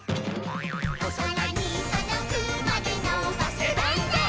「おそらにとどくまでのばせバンザイ」